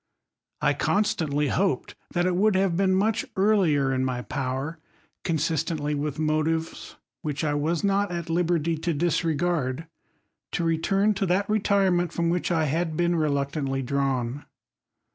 I consta>itly hoped, that it would have been much earlier in my pewcr, consistently wiih mo tives, >48 THE COLUMBIAN ORATOR. kives, which I was not at liberty to disregard, to retui ji to that retirement from which I had been reluctantlj^ ^awn.